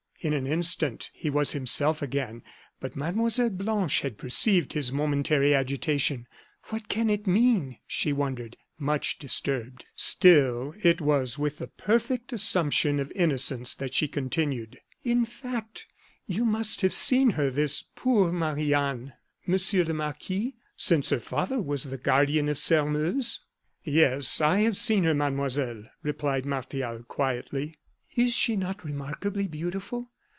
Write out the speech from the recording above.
In an instant he was himself again; but Mlle. Blanche had perceived his momentary agitation. "What can it mean?" she wondered, much disturbed. Still, it was with the perfect assumption of innocence that she continued: "In fact, you must have seen her, this poor Marie Anne, Monsieur le Marquis, since her father was the guardian of Sairmeuse?" "Yes, I have seen her, Mademoiselle," replied Martial, quietly. "Is she not remarkably beautiful?